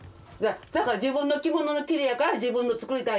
だから自分の着物のキレやから自分の作りたいやん。